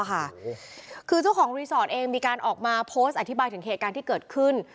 คือเจ้าของรีสอร์ทเองมีการออกมาโพสต์อธิบายถึงเหตุการณ์ที่เกิดขึ้น